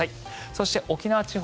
そして、沖縄地方